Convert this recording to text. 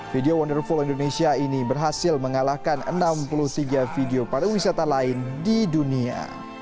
video wonderful indonesia ini berhasil mengalahkan enam puluh tiga video pariwisata lain di dunia